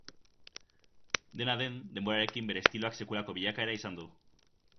Dena den, denborarekin bere estiloak sekulako bilakaera izan du.